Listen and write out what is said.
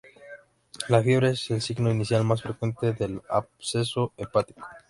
La fiebre es el signo inicial más frecuente del absceso hepático.